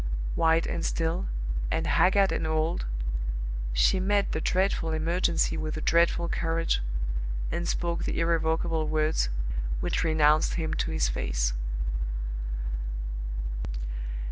White and still, and haggard and old, she met the dreadful emergency with a dreadful courage, and spoke the irrevocable words which renounced him to his face.